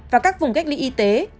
và các vùng cách ly y tế